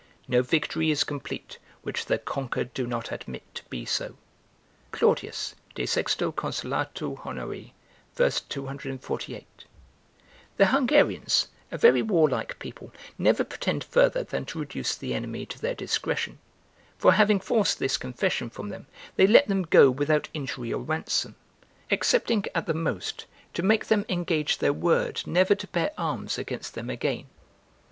["No victory is complete, which the conquered do not admit to be so. "Claudius, De Sexto Consulatu Honorii, v. 248.] The Hungarians, a very warlike people, never pretend further than to reduce the enemy to their discretion; for having forced this confession from them, they let them go without injury or ransom, excepting, at the most, to make them engage their word never to bear arms against them again.